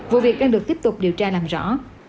vụ việc đang được tiếp tục điều tra làm rõ